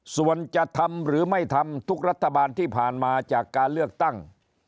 ส่วนจะทำหรือไม่ทำทุกรัฐบาลที่ผ่านมาจากการเลือกตั้ง